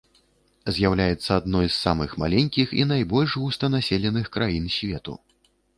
З'яўляецца адной з самых маленькіх і найбольш густанаселеных краін свету.